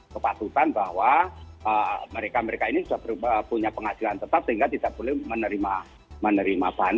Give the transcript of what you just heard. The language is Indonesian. kepatutan bahwa mereka mereka ini sudah punya penghasilan tetap sehingga tidak boleh menerima bantuan